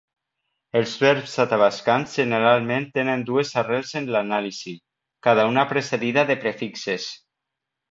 Els verbs atabascans generalment tenen dues arrels en l'anàlisi, cada una precedida de prefixes.